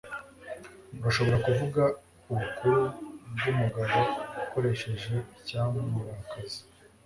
Urashobora kuvuga ubukuru bwumugabo ukoresheje icyamurakaza